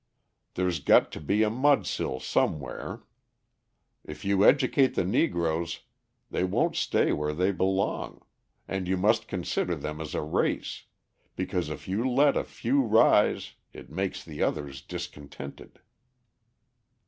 There's got to be a mudsill somewhere. If you educate the Negroes they won't stay where they belong; and you must consider them as a race, because if you let a few rise it makes the others discontented."